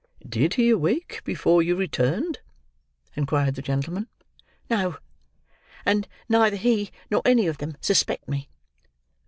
"Did he awake before you returned?" inquired the gentleman. "No; and neither he nor any of them suspect me."